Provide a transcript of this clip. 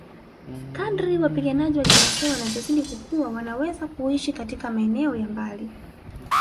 Kadri wapiganaji wa kimaasai wanavyozidi kukua wanaweza kuishi katika maeneo ya mbali